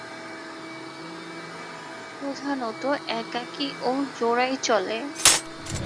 প্রধানত একাকী ও জোড়ায় চলে।